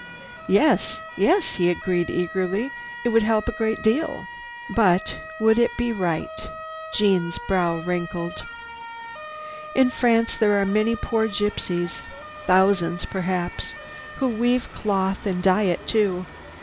"Yes, yes," he agreed eagerly. "It would help a great deal!" "But would it be right?" Jeanne's brow wrinkled. "In France there are many poor gypsies, thousands perhaps, who weave cloth and dye it too.